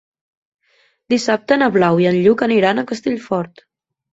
Dissabte na Blau i en Lluc aniran a Castellfort.